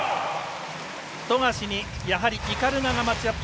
富樫にやはり鵤がマッチアップ。